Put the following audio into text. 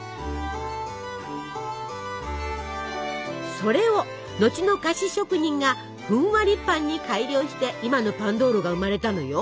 それを後の菓子職人がふんわりパンに改良して今のパンドーロが生まれたのよ。